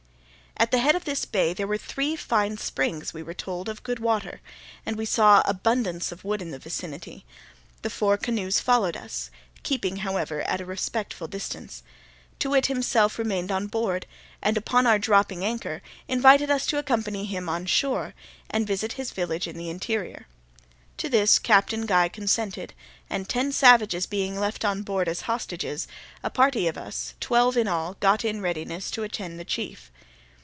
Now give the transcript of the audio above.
At the head of this bay there were three fine springs (we were told) of good water, and we saw abundance of wood in the vicinity. The four canoes followed us in, keeping, however, at a respectful distance. Too wit himself remained on board, and, upon our dropping anchor, invited us to accompany him on shore, and visit his village in the interior. To this Captain Guy consented; and ten savages being left on board as hostages, a party of us, twelve in all, got in readiness to attend the chief.